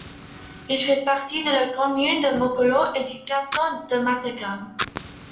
Il fait partie de la commune de Mokolo et du canton de Matakam.